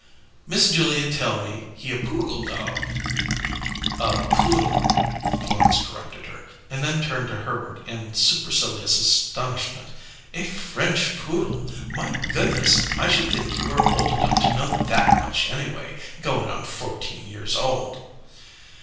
"Miss Julia tell me he a poogle dog." "A poodle," Florence corrected her, and then turned to Herbert in supercilious astonishment. "A French Poodle! My goodness! I should think you were old enough to know that much, anyway goin' on fourteen years old!"